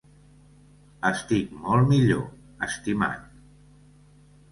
Estic molt millor, estimat.